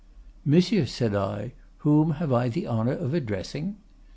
"'Monsieur,' said I, 'whom have I the honor of addressing?